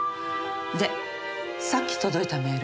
でさっき届いたメール。